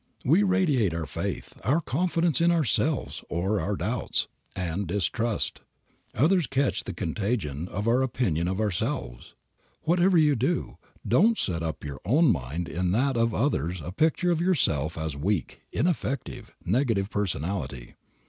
We radiate our faith, our confidence in ourselves or our doubts, and distrust. Others catch the contagion of our opinion of ourselves. Whatever you do, don't set up in your own mind and in that of others a picture of yourself as a weak, ineffective, negative personality.